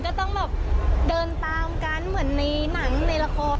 ก็ต้องแบบเดินตามกันเหมือนในหนังในละคร